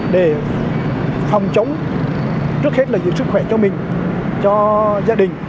để phòng chống trước hết là giữ sức khỏe cho mình cho gia đình